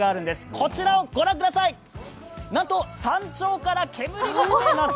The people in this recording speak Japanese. こちらを御覧ください、なんと山頂から煙が出ています。